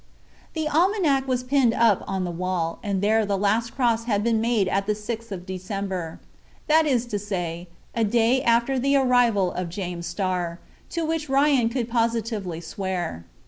The almanac was pinned up on the wall, and there the last cross had been made at the 6th of December; that is to say, a day after the arrival of James Starr, to which Ryan could positively swear.